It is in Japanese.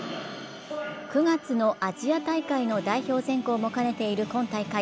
９月のアジア大会の代表選考も兼ねている今大会。